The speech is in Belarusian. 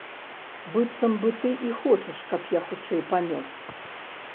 Быццам бы ты і хочаш, каб я хутчэй памёр.